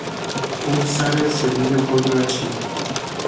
او سر سبیل خود را چید.